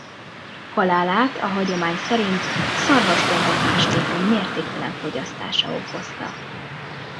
Halálát a hagyomány szerint szarvasgomba-pástétom mértéktelen fogyasztása okozta.